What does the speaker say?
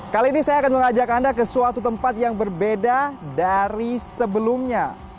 kali ini saya akan mengajak anda ke suatu tempat yang berbeda dari sebelumnya